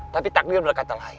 tapi takdir berkata lain